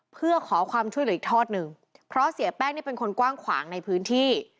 เพื่อขอความช่วยเหลืออีกทอดหนึ่งเพราะเสียแป้งนี่เป็นคนกว้างขวางในพื้นที่